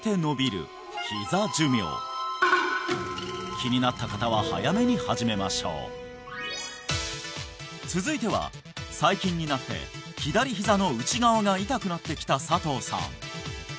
気になった方は早めに始めましょう続いては最近になって左ひざの内側が痛くなってきた佐藤さん